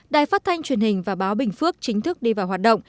đài phát thanh truyền hình và báo bình phước chính thức đi vào hoạt động